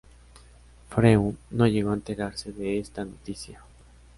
Freud no llegó a enterarse de esta noticia.